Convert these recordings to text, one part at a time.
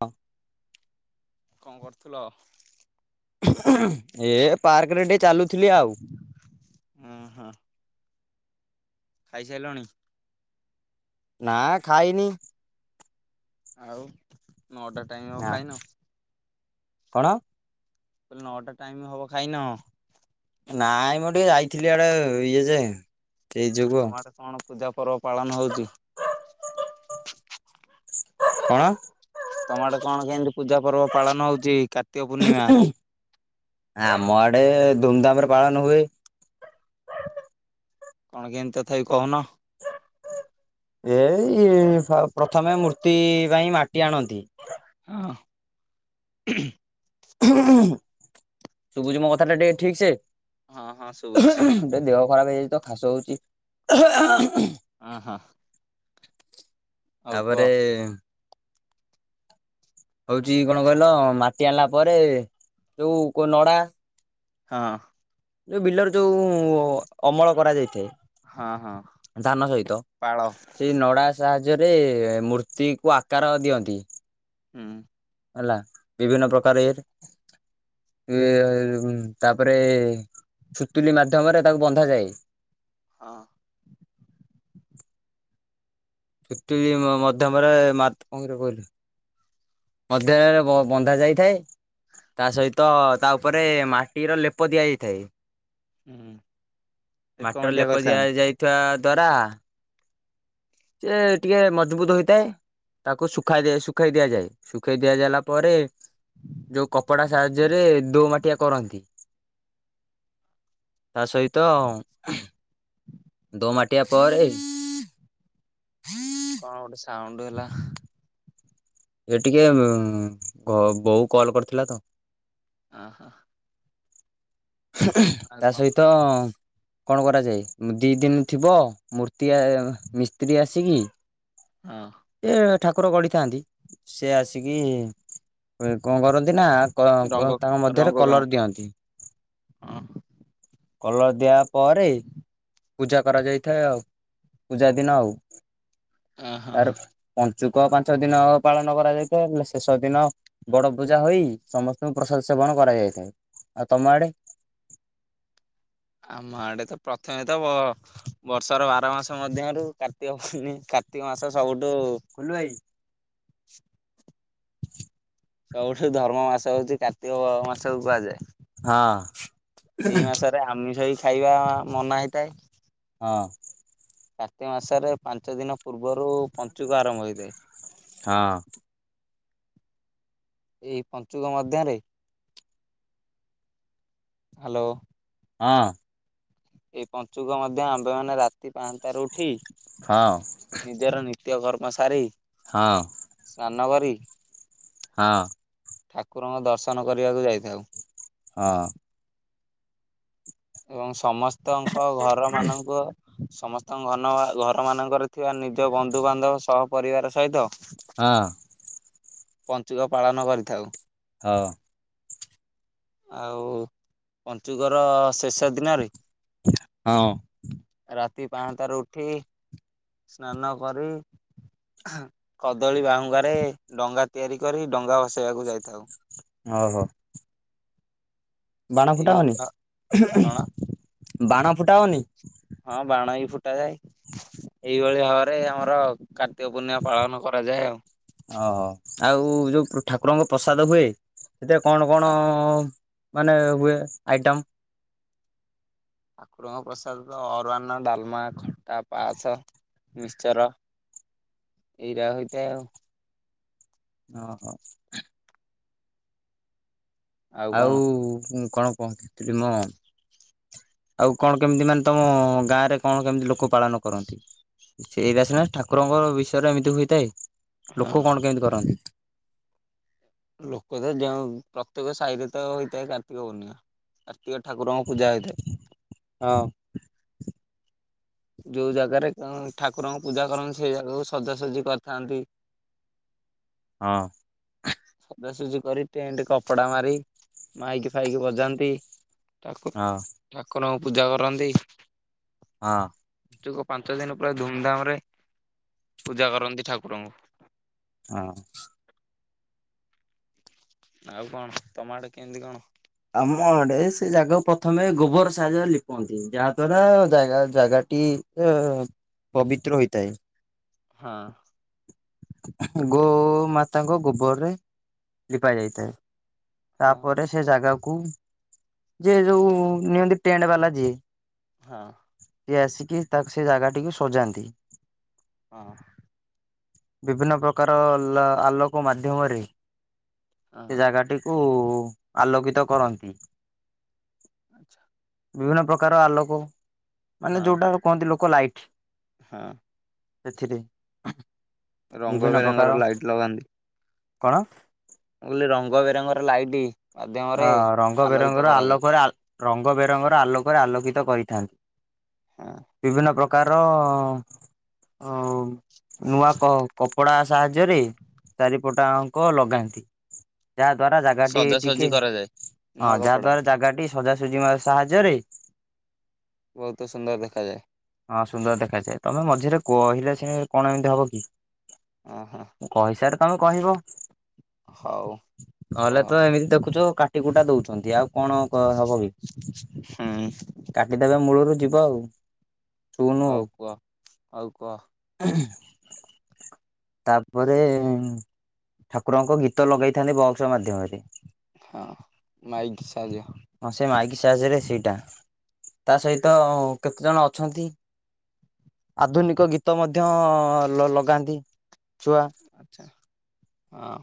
ହଁ। କଣ କରୁଥୁଲ? ଉଁହୁଁ ଉଁହୁଁ ଏ ପାର୍କରେ ଟିକେ ଚାଲୁଥିଲି ଆଉ। ଅଁ ହଁ। ଖାଇ ସାଇଲଣି? ନାଁ ଖାଇନି? ଆଉ ନଅଟା ଟାଇମ ହବ ନାଁ ଖାଇନ? କଣ? ମୁଁ କହିଲି ନଅଟା ଟାଇମ ହବ ଖାଇନ? ନାଇଁ ମ ଟିକେ ଯାଇଥିଲି ଆଡେ ଇଏ ଯେ। ସେଇ ଆଉ ଯୋଗୁ ତମ ଆଡେ କଣ ପୂଜା ପର୍ବ ପାଳନ ହଉଚି? କଣ? ତମ ଆଡେ କଣ କେମତି ପୂଜା ପର୍ବ ପାଳନ ହଉଚି କାର ହୁଁଉଁ ଉଁହୁଁ ଆମ ଆଡେ ଧୁମଧାମରେ ପାଳନ ହୁଏ। କଣ କେମିତି ତଥାପି କହୁନ? ଏଇ ସ୍ରବ ପ୍ରଥମେ ମୂର୍ତ୍ତି ପାଇଁ ମାଟି ଆଣନ୍ତି। ହଁ। ହୁଃ ହୁଃ ଶୁଭୁଛି ମୋ କଥାଟା ଟିକେ ଠିକ୍ ସେ। ହଁ ହଁ ଶୁଭୁଛି। ହୁଃ ହୁଃ ଏଁ ଦେହ ଖରାପ ହେଇଯାଇଥିବ ଖା୍ସ ହଉଛି ହେଃ ହାଃ ହାଁ ଅଁ ହଁ। ଆଉ କୁହ। ତାପରେ ହଉଚି କଣ କହିଲ ମାଟି ଆଣିଲା ପରେ ଯୋଉ କୋଉ ନଡ଼ା ହଁ। ଯୋଉ ବିଲର ଯୋଉ ଅମଳ କରାଯାଇଥାଏ ହଁ ହଁ ଧାନ ସହିତ ପାଳ ସେଇ ନଡ଼ା ସାହାଯ୍ୟରେ ମୂର୍ତ୍ତିକୁ ଆକାର ଦିଅନ୍ତି ହୁଁ। ହେଲା ବିଭିନ୍ନ ପ୍ରକାର ଏ ଏ ତାପରେ ସୁତୁଲି ମାଧ୍ୟମରେ ତାକୁ ବନ୍ଧାଯାଏ ହଁ। ସୁତୁଲି ମଧ୍ୟମରେ [unintelligible] କହିଲୁ। ମଧ୍ୟନାରେ ବନ୍ଧା ଯାଇଥାଏ ତାସହିତ ତାଉପରେ ମାଟିର ଲେପ ଦିଆଯାଇଥାଏ। ହୁଁ ମାଟିର ଏକମାଟିଆ ଲେପ ଦିଆ କରିଥାନ୍ତି। ଯାଇଥିବା ଦ୍ଵାରା ସେ ଟିକେ ମଜବୁତ ହେଇଥାଏ ତାକୁ ଶୁଖାଇ ଦି ଶୁଖାଇ ଦିଆଯାଏ ଶୁଖେଇ ଦିଆଯଲା ପରେ ଯୋଉ କପଡ଼ା ସାହାଯ୍ୟରେ ଦୋ ମାଟିଆ କରନ୍ତି। [inaudible] ତାସହିତ ଦୋ ମାଟିିବା ପରେ କଣ ଗୋଟେ ସାଉଣ୍ଡ ହେଲା? ଏ ଟିକେ କ ବୋଉ କଲ୍ କରିଥିଲାତ। ଅଁ ହଁ। ଆଉ କଣ ତାସହିତ କଣ କରାଯାଏ ଦିଇ ଦିନ ଥିବ ମୂର୍ତ୍ତି ମିସ୍ତ୍ରୀ ଆସିକି ହଁ। ସିଏ ଠାକୁର ଗଢ଼ିଥାନ୍ତି ସେଆସିକି କଣ କରନ୍ତି ନା କ ରଙ୍ଗ ତାଙ୍କ ରଙ୍ଗ ମଧ୍ୟରେ କାମ କଲର ଦିଅନ୍ତି। ହଁ। କଲର ଦିଆ ପରେ ପୂଜା କରାଯାଇଥାଏ ଆଉ ପୂଜା ଦିନ ଆଉ ହଁ ତାର ପଞ୍ଚୁକ ପାଞ୍ଚ ଦିନ ପାଳନ କରାଯାଇଥାଏ ହେଲେ ଶେଷ ଦିନ ବଡ଼ ପୂଜା ହୋଇ ସମସ୍ତଙ୍କୁ ପ୍ରସାଦ ସେବନ କରାଯାଇଥାଏ ଆଉ ତମ ଆଡ଼େ? ଆମ ଆଡ଼େତ ପ୍ରଥମେତ ବ ବର୍ଷର ବାର ମାସ ମଧ୍ୟରୁ କାର୍ତ୍ତିକ ପୂର୍ଣି କାର୍ତ୍ତିକ ମାସ ସବୁଠୁ କୁଲୁ ଭାଇ। [inaudible] ସବୁଠୁ ଧର୍ମ ମାସ ହଉଚି କାର୍ତ୍ତିକ ମାସକୁ କୁହାଯାଏ। ହଁ। ଏଇ ମାସରେ ଆମିଷ ହିଁ ଖାଇବା ମନା ହେଇଥାଏ। ହଁ। କାର୍ତ୍ତି ମାସରେ ପାଞ୍ଚ ଦିନ ପୂର୍ବରୁ ପଞ୍ଚୁକ ଆରମ୍ଭ ହୋଇଥାଏ। ହଁ। ଏଇ ପଞ୍ଚୁକ ମଧ୍ୟରେ ହାଲୋ। ହଁ। ଏଇ ପଞ୍ଚୁକ ମଧ୍ୟ ଆମ୍ଭେ ମାନେ ରାତି ପାହାନ୍ତାରୁ ଉଠି ହଁ। ନିଜର ନିତ୍ୟ କର୍ମ ସାରି ହଁ। ସ୍ନାନ କରି ହଁ। ଠାକୁରଙ୍କ ଦର୍ଶନ କରିବାକୁ ଯାଇଥାଉ। ହଁ। ଏବଂ ସମସ୍ତଙ୍କ ଘର ମାନଙ୍କ ସମସ୍ତଙ୍କ ଘନ ଘର ମାନଙ୍କରେ ଥିବା ନିଜ ବନ୍ଧୁବାନ୍ଧବ ସହ ପରରିବାର ସହିତ ହଁ। ପଞ୍ଚୁକ ପାଳନ କରିଥାଉ। ହଁ। ଆଉ ପଞ୍ଚୁକର ଶେଷ ଦିନରେ ହଁ। ରାତି ପାହାନ୍ତାରୁ ଉଠି ସ୍ନାନ କରି କଦଳୀ ବାହୁଙ୍ଗାରେ ଡଙ୍ଗା ତିଆରି କରି ଡଙ୍ଗା ଭସେଇବାକୁ ଯାଇଥାଉ। ଓହ। ବାଣ ଫୁଟାଅନି ଏଇଭଳି କଣ ବାଣ ଫୁଟାଅନି? ହଁ ବାଣ ବି ଫୁଟା ଯାଏ। ଏଇଭଳି ଘର ଆମର। କାର୍ତ୍ତିକ ପୂର୍ଣ୍ଣିମା ପାଳନ କରାଯାଏ ଆଉ। ଓ ଆଉ ଯୋଉ ଠାକୁରଙ୍କ ପ୍ରସାଦ ହୁଏ। ସେଥିରେ କଣ କଣ ମାନେ ହୁଏ ଆଇଟମ? ଠାକୁରଙ୍କ ପ୍ରସାଦତ ଅରୁଅନ୍ନ, ଡାଲମା, ଖଟା, ପାସ ମିଶ୍ଚର, ଇରା ହୋଇଥାଏ ଆଉ। ଓ ହୋ। ଆଉ କଣ ଆଉ କଣ କହିଥିଲି ମ। ଆଉ କଣ କେମିତି ମାନେ ତମ ଗାଁ ରେ କଣ କେମିତି ଲୋକ ପାଳନ କରନ୍ତି? ସେଇରା ସିନା ଠାକୁରଙ୍କ ବିଷୟରେ ଏମିତି ହୋଇଥାଏ। ହଁ ଲୋକ କଣ କେମିତି କରନ୍ତି? ଲୋକ ତ ଯେଉଁ ପ୍ରତ୍ୟେକ ସାଇ ରେ ତ ହୋଇଥାଏ କାର୍ତ୍ତିକ ପୂର୍ଣ୍ଣିମା। କାର୍ତିକ ଠାକୁରଙ୍କ ପୂଜା ହୋଇଥାଏ। ହଁ। ଯଉ ଜାଗାରେ କଂ ଠାକୁରଙ୍କୁ ପୂଜା କରନ୍ତି ସେ ଜାଗାକୁ ସଜାସଜି କରିଥାନ୍ତି। ହଁ। ସଜାସଜି କରି ଟେଣ୍ଟ କପଡା ମାରି ମାଇକି ଫାଇକି ବଜାନ୍ତି। ଠାକୁ ହଁ ଠାକୁରଙ୍କୁ ପୂଜା କରନ୍ତି। ହଁ। ପଞ୍ଚୁକ ପାଞ୍ଚ ଦିନ ପୁରା ଧୁମ୍ ଧାମ୍ ରେ ପୂଜା କରନ୍ତି ଠାକୁରଙ୍କୁ। ହଁ। ଆଉ କଣ? ତମଆଡେ କେମିତି କଣ? ଆମ ଅଡେ ସେ ଜାଗା ପ୍ରଥମେ ଗୋବର ସାହାଯ୍ୟରେ ଲିପନ୍ତି ଯାହାଦ୍ଵାରା ଜାଗା ଜାଗାଟି ଏ ପବିତ୍ର ହୋଇଥାଏ। ହଁ। ଗୋମାତାଙ୍କ ଗୋବରରେ ଲିପା ଯାଇଥାଏ ହଁ ତାପରେ ସେ ଜାଗାକୁ ଯିଏ ଯୋଉ ନିଅନ୍ତି ଟେଣ୍ଟ ବାଲା ଯିଏ ହଁ। ସିଏ ଆସିକି ତା ସେ ଜାଗାଟିକୁ ସଜାନ୍ତି। ହଁ। ବିଭିନ୍ନ ପ୍ରକାର ଲ ଆଲୋକ ମାଧ୍ୟମରେ ହଁ ସେ ଜାଗାଟି କୁ ଆଲୋକିତ କରନ୍ତି। ଆଚ୍ଛା। ବିଭିନ୍ନ ପ୍ରକାର ଆଲୋକ ମାନେ ହଁ ଯୋଉଟା କହନ୍ତି ଲୋକ ଲାଇଟ। ହଁ। ଏଥିରେ ରଙ୍ଗ ବେରଙ୍ଗର ଲାଇଟ୍ ଲଗାନ୍ତି। କଣ? ମୁଁ କହିଲି ରଙ୍ଗ ବେରଙ୍ଗର ଲାଇଟି। ହଁ ରଙ୍ଗ ବେରଙ୍ଗର ଆଲୋକରେ ଆ ରଙ୍ଗ ବେରଙ୍ଗର ଆଲୋକରେ ଆଲୋକିତ କରିଥାନ୍। ହଁ ବିଭିନ୍ନ ପ୍ର କାର ଅଁ ନୂଆ କ କପଡ଼ା ସାହାଯ୍ୟରେ ଚାରିପଟାଙ୍କ ଲଗାନ୍ତି। ଯାହା ଦ୍ଵାରା ଜାଗାଟି ଟିକେ ସଜାସଜି କରାଯାଏ। ହଁ ନୂଆ ଯାହା କପଡା ଦ୍ଵାରା ଜାଗାଟି ସଜାସଜି ମା ସାହାଯ୍ୟରେ ବହୁତ ସୁନ୍ଦର ଦେଖାଯାଏ। ହଁ ସୁନ୍ଦର ଦେଖାଯାଏ ତମେ ମଝିରେ କହିଲେ ସେ କଣ ଏମିତି ହବ କି? ଅଁ ହ। କହିସାର ତମେ କହିବ ହଉ ନ କୁହ ହେଲେ ଆଉ। ତ ଏମିତି ଦେଖୁଚ କାଟିକୁୁଟା ଦଉଛନ୍ତି ଆଉ କଣ କ ହବ କି ହୁଁ କାଟିିଦେବେ ମୂଳରୁ ଯିବ ଆଉ। ଆଉ କୁଅ ଆଉ କ? [unintelligible] ତାପରେ ଠାକୁରଙ୍କ ଗୀତ ଲଗେଇଥାନ୍ତି ବକ୍ସ ମାଧ୍ୟମରେ। ହଁ ମାଇକି ସାହାଯ୍ୟ। ହଁ ସେ ମାଇକି ସାହାଯ୍ୟରେ ସେଇଟା ତା ସହିତ କେତେଜଣ ଅଛନ୍ତି ଆଧୁନିକ ଗୀତ ମଧ୍ୟ ଲ ଲଗାନ୍ତି। ଛୁଆ। ଆଚ୍ଛା ହଁ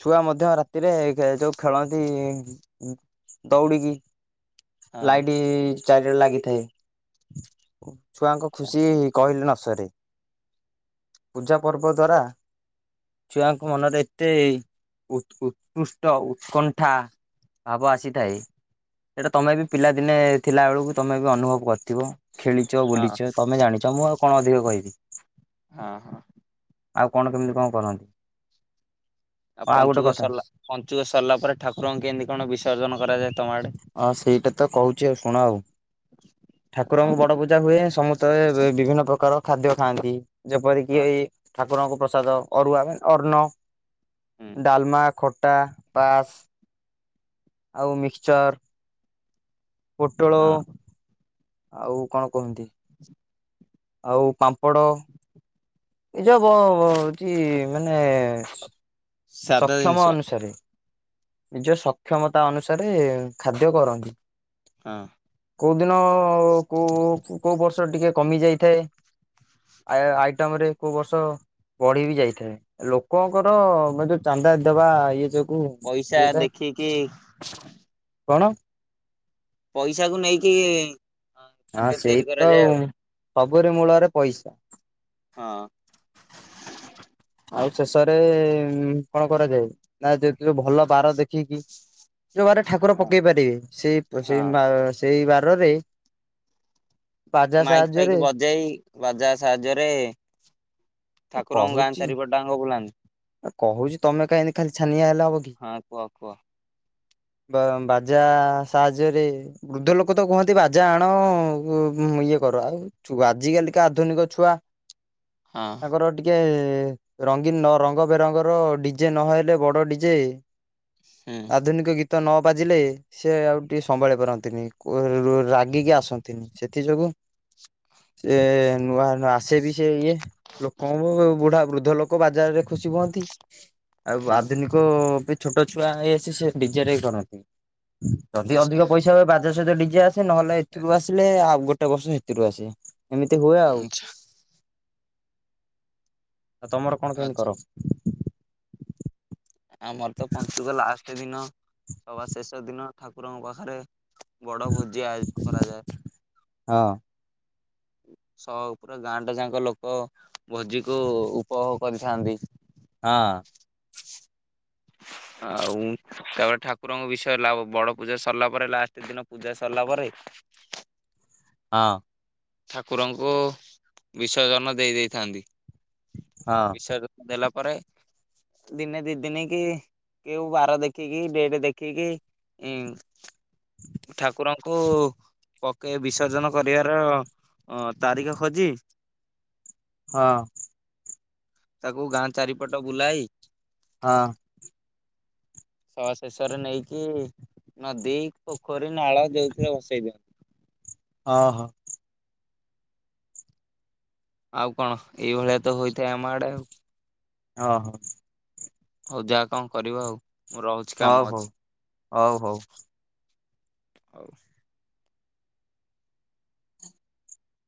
ଛୁଆ ମଧ୍ୟ ରାତିରେ ଗେ ଯୋଉ ଖେଳନ୍ତି ଉଁ ଦୌଡ଼ିକି। ହଁ ଲାଇଟି ଚାରିଆଡେ ଲାଗିଥାଏ ଛୁଆଙ୍କ ଆଚ୍ଛା ଖୁସି କହିଲେ ନସରେ। ପୂଜା ପର୍ବ ଦ୍ଵାରା ଛୁଆଙ୍କ ମନରେ ଏତେ ଉତ୍ ଉତ୍କୃଷ୍ଟ ଉତ୍କଣ୍ଠା। ଭାବ ଆସିଥାଏ ଏଇଟା ତମେ ବି ପିଲାଦିନେ ଥିଲାବେଳୁକୁ ତମେ ବି ଅନୁଭବ କରିଥିବ। ଖେଳିଚ ହଁ ବୁଲିଛ ତମେ ଜାଣିଛ ମୁଁ ଆଉ କଣ ଅଧିକ କହିବି? ହଁ ହ। ଆଉ କଣ କେମିତି କଁ କରନ୍ତି? ଆ ଆଉ ଗୋଟେ ପଞ୍ଚୁକ କଥା ସରିଲା ପଞ୍ଚୁକ ସରଲା ପରେ ଠାକୁରଙ୍କୁ କେମିତି କଣ ବିସର୍ଜନ କରାଯାଏ ତମ ଆଡେ? ଅ ସେଇଟା ତ କହୁଛି ଆଉ ଶୁଣ ଆଉ। ହଁ ଠାକୁରଙ୍କୁ ବଡ ପୂଜା ହୁଏ ସମସ୍ତେ ଏ ବିଭିନ୍ନ ପ୍ରକାର ଖାଦ୍ୟ ଖାଆନ୍ତି ଯେପରି ଇଏ ଏ ହଁ ଏଇ ଠାକୁରଙ୍କ ପ୍ରସାଦ ଅରୁଆ ଏ ଅଣ୍ଣ। ଡାଲମା ଖଟା ପାସ୍ ଆଉ ମିକ୍ସଚର୍ ପୋଟୋଳୋ ଆଉ କଣ କୁହନ୍ତି? [inaudible] ଆଉ ପାମ୍ପଡ଼? ଏ ଯୋଉ ବ- ବ -ଅ ହଉଚି, ମାନେ ସାଧା ଜିନିଷ ସକ୍ଷମ ଅନୁସାରେ। ନିଜ ସକ୍ଷମତା ଅନୁସାରେ ଖାଦ୍ୟ କରନ୍ତି। ହଁ। କୋଉ ଦିନ କୋଉ- କୋଉ ବର୍ଷ ଟିକେ କମି ଯାଇଥାଏ। ଆଏ ଆଇଟମରେ। କୋଉ ବର୍ଷ ବଢି ବି ଯାଇଥାଏ। ଲୋକଙ୍କର [unintelligible] ଚାନ୍ଦା ଦବା ଇଏ ଯୋଗୁ ପଇସା ଦେଖିକି ହେଇଥାଏ। କଣ? ପଇସାକୁ ନେଇକି ହଁ ହଁ ଖାଦ୍ୟ ସେଇ ତିଆରି ତ କରାଯାଏ ଆଉ। ସବୁରି ମୂଳରେ ପଇସା। ହଁ। ଆଉ ଶେଷରେ ଉଁ କଣ କରାଯାଏ, ନା ଯେତିକ ଭଲ ବାର ଦେଖିକି ଯୋଉ ବାରରେ ଠାକୁର ହଁ ପକେଇ ପାରିବେ, ସେଇ ସେ ହଁ ମା ସେଇ ବାରରେ ବାଜା ମାଇକ୍ ଫାଇକ୍ ସାହାଯ୍ୟରେ ବଜେଇ ବାଜା ସାହାଯ୍ୟରେ ଠାକୁରଙ୍କୁ ଗାଁ ଚାରିପଟ ଡାଙ୍ଗ ବୁଲାନ୍ତି। ଆ କହୁଛି ତମେ କାଇଁ ଏନ୍ତି ଖାଲି ଛାନିଆ ହେଲେ ହବ କି? ହଁ କୁହ -କୁହ? ବ ବାଜା ସାହାଯ୍ୟରେ ବୃଦ୍ଧ ଲୋକ ତ କୁହନ୍ତି ବାଜା ଆଣ ଉଁ ଇଏ କର ଆଉ। ଛୁ ଆଜିକାଲିକା ଆଧୁନିକ ଛୁଆ। ହଁ। ମୋର ଟିକେ ରଙ୍ଗୀନ ନ ରଙ୍ଗ ବେରଙ୍ଗର ଡିଜେ ନହଲେ ବଡ ଡିଜେ ହୁଁ ଆଧୁନିକ ଗୀତ ତ ନ ବାଜିଲେ ସେ ଆଉ ଟିକେ ସମ୍ଭାଳି ପାରନ୍ତିନି। କୋ ଉ ରାଗିକି ଆସ ନ୍ତିନି, ସେଥି ଯୋଗୁ ସେ ନୂଆ -ନୂଆ ଆସେ ବି ସେ ଇଏ, ଲୋକଙ୍କୁ ବୁଢା ବୃଦ୍ଧ ଲୋକ ବାଧ୍ୟ ଖୁସି ହୁଅନ୍ତି। ଆଉ ହଁ ଆଧୁନିକ ଛୋଟ ଛୁଆ ହେଇ ଆସି ସେ ଡିଜରେ କରନ୍ତି। ଯଦି ଆଚ୍ଛା ଅଧିକ ପଇସା ହୁଏ ବା ସହିତ ଡିଜେ ଆସେ। ନହେଲେ ଏଥିରୁ ଆସିଲେ ଆଉ ଗୋଟେ ବର୍ଷ ସେଥିରୁ ଆସେ। ଏମିତି ହୁଏ ଆଉ। ଆଚ୍ଛା ଆଉ ତମର କଣ କେନ୍ତି ଆଚ୍ଛା କର? ଆମର ତ ପଞ୍ଚୁକ ଲାଷ୍ଟ ଦିନ, ସଭା ଶେଷ ଦିନ ଠାକୁରଙ୍କ ପାଖରେ ବଡ ଭୋଜି ଆୟୋଜନ କରାଯାଏ। ହଁ। ସବ, ପୁରା ଗାଁଟା ଯାକ ଲୋକ ଭୋଜିକୁ ଉପଭୋଗ କରିଥାନ୍ତି। ହଁ। [inaudible] ଆଉ ତାପରେ ଠାକୁରଙ୍କ ବିଷୟ ହେଲା, ବଡ ପୂଜା ସରିଲା ପରେ ଲାଷ୍ଟ ଦିନ ପୂଜା ସରିଲା ପରେ ହଁ। ଠାକୁରଙ୍କୁ ବିସର୍ଜନ ଦେଇ ଦେଇଥାନ୍ତି। ହଁ ବିସର୍ଜ ଦେଲା ପରେ, ଦିନେ ଦି ଦିନି କି କେଉ ବାର ଦେଖିକି, ଡେଟ ଦେଖିକି ଇଁ ଠାକୁରଙ୍କୁ ପକେଇ ବିସର୍ଜନ କରିବାର ଅ ତାରିଖ ଖୋଜି ହଁ ତାକୁ ଗାଁ ଚାରିପଟ ବୁଲାଇ ହଁ ହଁ ଶେଷରେ ନେଇକି ନଦୀ, ପୋଖରୀ, ନାଳ ଯୋଉଥିରେ ବସେଇ ଦିଅନ୍ତି। ଓହୋ। ଆଉ କଣ, ଏଇଭଳିଆ ତ ହୋଇଥାଏ ଆମ ଆଡେ ଆଉ। ଓହୋ। ହଉ ଯା କଣ କରିବ ଆଉ, ମୁଁ ରହୁଚି ହଉ କାମ ହଉ ହଉ ହଉ। ଅଛି। ଆଉ ସି